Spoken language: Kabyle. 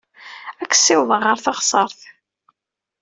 Ad k-ssiwḍeɣ ɣer teɣsert.